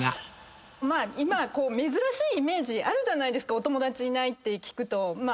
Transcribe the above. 珍しいイメージあるじゃないですかお友達いないって聞くと。